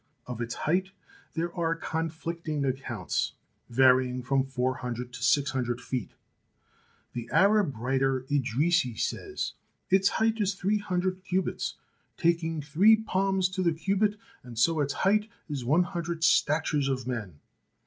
Of its height there are conflicting accounts, varying from four hundred to six hundred feet. The Arab writer Idrisi says: 'Its height is three hundred cubits, taking three palms to the cubit, and so its height is 176 THE SEVEN WONDERS one hundred statures of men."